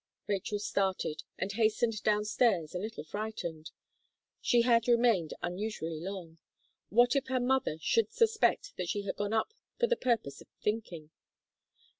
Rachel started, and hastened down stairs, a little frightened. She had remained unusually long. What if her mother should suspect that she had gone up for the purpose of thinking?